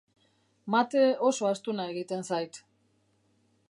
Mate oso astuna egiten zait.